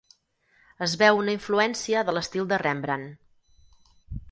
Es veu una influència de l'estil de Rembrandt.